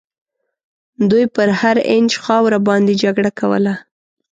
دوی پر هر اینچ خاوره باندي جګړه کوله.